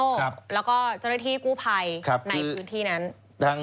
แล้วก็เจ้าหน้าที่กู้ภัยในพื้นที่นั้น